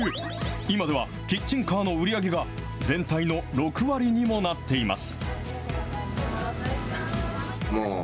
今ではキッチンカーの売り上げが全体の６割にもなっています。